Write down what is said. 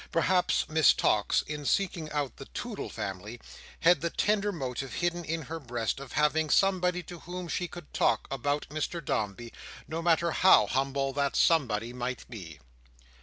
Perhaps Miss Tox, in seeking out the Toodle family, had the tender motive hidden in her breast of having somebody to whom she could talk about Mr Dombey, no matter how humble that somebody might be.